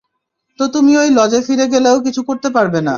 তো তুমি ওই লজে ফিরে গেলেও কিছু করতে পারবে না।